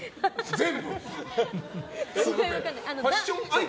全部。